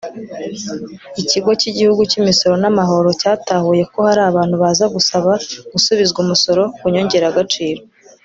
Ikigo cy’Igihugu cy’Imisoro n’amahoro cyatahuye ko hari abantu baza gusaba gusubizwa umusoro ku nyongeragaciro